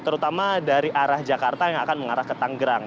terutama dari arah jakarta yang akan mengarah ke tanggerang